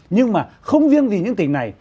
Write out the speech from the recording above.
nhưng mà không riêng gì những tỉnh này